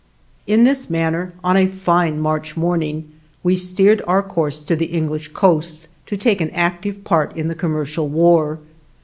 In this manner, on a fine March morning, we steered our course to the English coast, to take an active part in the commercial war.